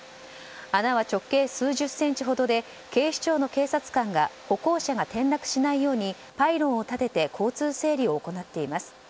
穴は直径数十センチほどで警視庁の警察官が歩行者が転落しないようにパイロンを立てて交通整理を行っています。